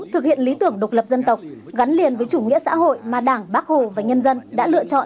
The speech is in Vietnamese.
thực hiện lý tưởng độc lập dân tộc gắn liền với chủ nghĩa xã hội mà đảng bác hồ và nhân dân đã lựa chọn